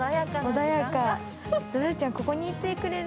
ラルちゃん、ここにいてくれる？